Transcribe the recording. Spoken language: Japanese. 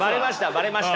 バレました？